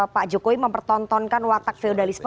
pak jokowi mempertontonkan watak feudalisme